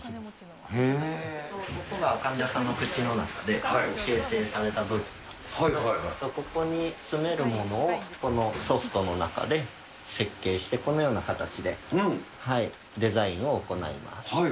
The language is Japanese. ここが患者さんの口の中で、過去形成された部分なんですけど、ここに詰める物を、このソフトの中で設計して、このような形でデザインを行います。